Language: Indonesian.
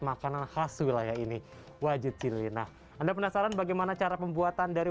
makanan khas wilayah ini wajit cilina anda penasaran bagaimana cara pembuatan dari